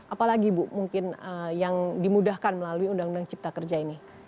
apalagi bu mungkin yang dimudahkan melalui undang undang cipta kerja ini